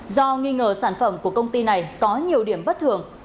do nghi ngờ sản phẩm của công ty này có nhiều điểm bất thường